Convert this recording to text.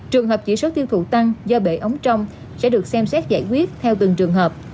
trường hợp chỉ số tiêu thụ tăng do bể ống trong sẽ được xem xét giải quyết theo từng trường hợp